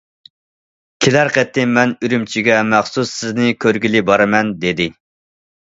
كېلەر قېتىم مەن ئۈرۈمچىگە مەخسۇس سىزنى كۆرگىلى بارىمەن، دېدى.